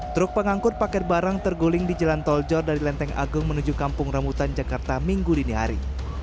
truk pengangkut paket barang terguling di jalan tol jor dari lenteng agung menuju kampung rambutan jakarta minggu dini hari